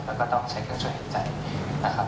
แล้วก็ต้องใช้เครื่องช่วยหายใจนะครับ